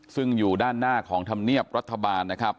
ซึ่งอยู่ด้านหน้าของธรรมเนียบรัฐบาลนะครับ